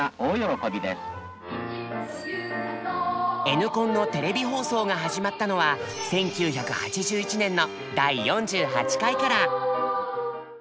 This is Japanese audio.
Ｎコンのテレビ放送が始まったのは１９８１年の第４８回から。